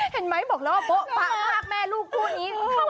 เห็นไหมบอกแล้วโบ๊ะบะฮาแม่ลูกพูดอีก